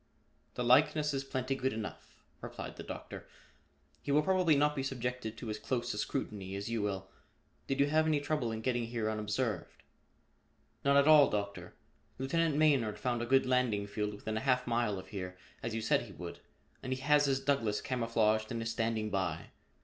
"The likeness is plenty good enough," replied the Doctor. "He will probably not be subjected to as close a scrutiny as you will. Did you have any trouble in getting here unobserved?" "None at all, Doctor. Lieutenant Maynard found a good landing field within a half mile of here, as you said he would, and he has his Douglass camouflaged and is standing by.